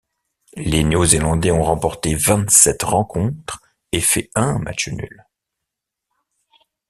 Les Néo-Zélandais ont remporté vingt-sept rencontres et fait un match nul.